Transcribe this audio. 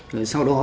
rồi sau đó